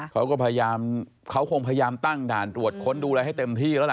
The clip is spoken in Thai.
เขาก็พยายามเขาคงพยายามตั้งด่านตรวจค้นดูอะไรให้เต็มที่แล้วล่ะ